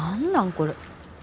これ。